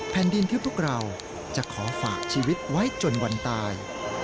แผ่นดินที่พวกเราจะขอฝากชีวิตไว้จนวันตาย